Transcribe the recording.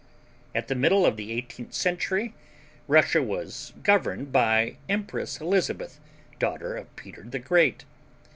At the middle of the eighteenth century Russia was governed by the Empress Elizabeth, daughter of Peter the Great.